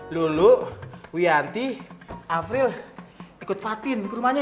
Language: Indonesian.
lulu wiyanti afril ikut fatin ke rumahnya